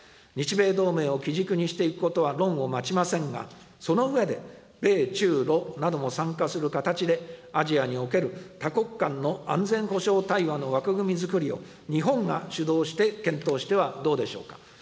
日米同盟を基軸にしていくことは論をまちませんが、その上で、米中ロなども参加する形で、アジアにおける多国間の安全保障対話の枠組み作りを、日本が主導して検討してはどうでしょうか。